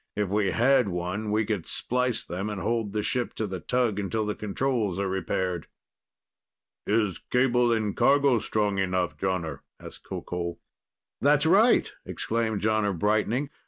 "If we had one, we could splice them and hold the ship to the tug until the controls are repaired." "Is cable in cargo strong enough, Jonner?" asked Qoqol. "That's right!" exclaimed Jonner, brightening.